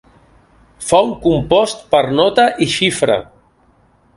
Fong compost per nota i xifra.